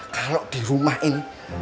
kalau di rumah ini